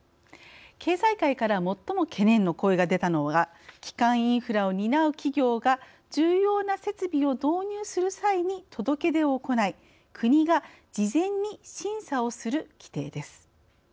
経済界から最も懸念の声が出たのが基幹インフラを担う企業が重要な設備を導入する際に届け出を行い国が事前に審査をする規定です。